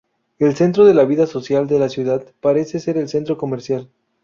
El centro de la vida social de la ciudad parece ser el centro comercial.